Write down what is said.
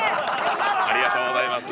ありがとうございます。